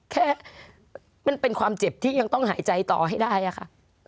แค่มันเป็นความเจ็บที่ยังต้องหายใจต่อให้ได้อะค่ะ